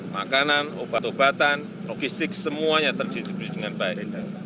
makanan obat obatan logistik semuanya terdistribusi dengan baik